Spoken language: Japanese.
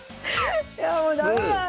いやあもう駄目だ。